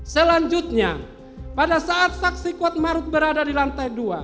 selanjutnya pada saat saksi kuatmaruf berada di lantai dua